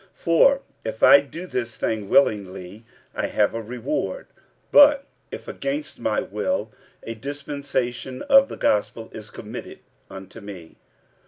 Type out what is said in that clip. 46:009:017 For if I do this thing willingly, I have a reward: but if against my will, a dispensation of the gospel is committed unto me.